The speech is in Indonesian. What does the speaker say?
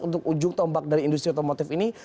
untuk ujung tombak dari industri otomotif ini